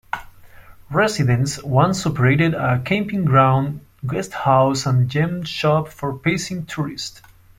Residents once operated a camping ground, guesthouse and gem shop for passing tourists.